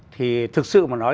thì thực sự mà nói